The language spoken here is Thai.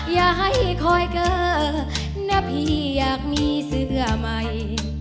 อย่าให้คอยเกอร์นะพี่อยากมีเสื้อใหม่